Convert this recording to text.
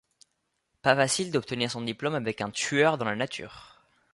Pas facile d'obtenir son diplôme avec un tueur dans la nature.